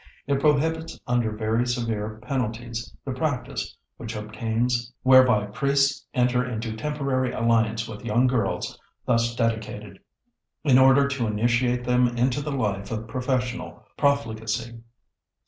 It prohibits under very severe penalties, the practice which obtains whereby priests enter into temporary alliance with young girls thus dedicated, in order to initiate them into the life of professional profligacy."